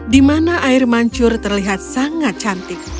di mana air mancur terlihat sangat cantik